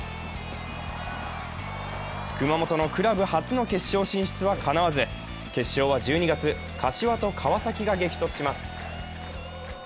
熊本のクラブ初の決勝進出はかなわず、決勝は１２月、柏と川崎が激突します。